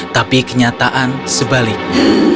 tapi kenyataan sebaliknya